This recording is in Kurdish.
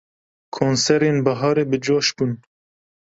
Konserên biharê bi coş bûn.